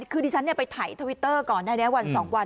คือดิฉันไปไถทวิเตอร์ก่อนนะนะวันศองวัน